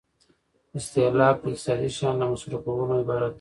استهلاک د اقتصادي شیانو له مصرفولو عبارت دی.